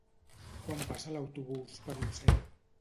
Quan passa l'autobús per Llucena?